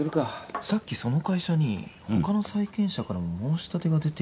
さっきその会社に他の債権者からも申し立てが出ていたような。